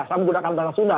saya menggunakan bahasa sunda